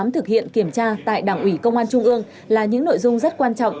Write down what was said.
thực hiện kiểm tra tại đảng ủy công an trung ương là những nội dung rất quan trọng